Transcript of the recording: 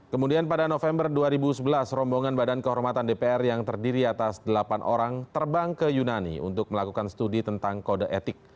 kemudian pada november dua ribu sebelas rombongan badan kehormatan dpr yang terdiri atas delapan orang terbang ke yunani untuk melakukan studi tentang kode etik